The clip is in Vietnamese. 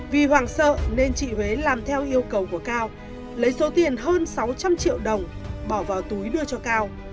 vì hoàng sợ nên chị huế làm theo yêu cầu của cao lấy số tiền hơn sáu trăm linh triệu đồng bỏ vào túi đưa cho cao